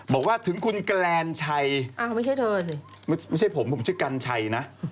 บอกว่าถึงคุณแกรนชัยไม่ใช่เธอสิไม่ใช่ผมผมชื่อกัญชัยนะ